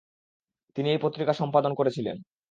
তিনি এই পত্রিকা সম্পাদনা করেছিলেন।